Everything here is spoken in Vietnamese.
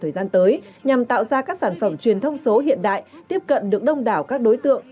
thời gian tới nhằm tạo ra các sản phẩm truyền thông số hiện đại tiếp cận được đông đảo các đối tượng